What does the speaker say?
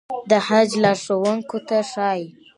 د حج لارښوونکو ته ښايي.